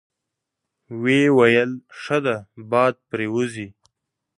ویې ویل: ښه ده، باد پرې وځي.